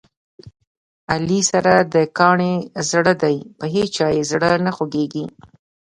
علي سره د کاڼي زړه دی، په هیچا یې زړه نه خوګېږي.